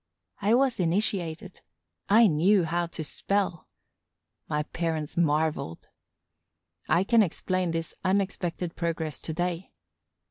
I was initiated; I knew how to spell. My parents marveled. I can explain this unexpected progress to day.